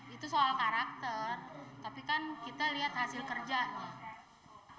itu soal karakter tapi kan kita lihat hasil kerjanya